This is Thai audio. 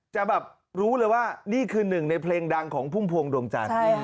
จะแบบรู้เลยว่านี่คือหนึ่งในเพลงดังของพุ่มพวงดวงจันทร์